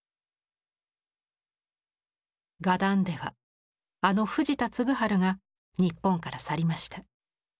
画壇ではあの藤田嗣治が日本から去りました。